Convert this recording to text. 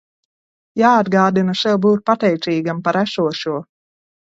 Jāatgādina sev būt pateicīgam par esošo!